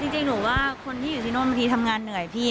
จริงหนูว่าคนที่อยู่ที่โน่นบางทีทำงานเหนื่อยพี่